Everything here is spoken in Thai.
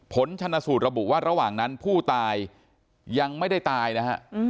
ผลชนสูตรระบุว่าระหว่างนั้นผู้ตายยังไม่ได้ตายนะฮะ